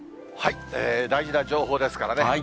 大事な情報ですからね。